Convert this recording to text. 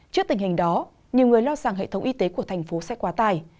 trước tình hình đó nhiều người lo sàng hệ thống y tế của thành phố sẽ quá tài